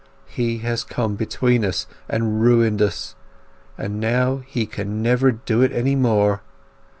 He has come between us and ruined us, and now he can never do it any more.